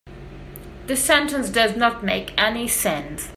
This sentence does not make any sense.